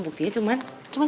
buktinya cuman coklat